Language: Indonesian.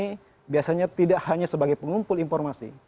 ini biasanya tidak hanya sebagai pengumpul informasi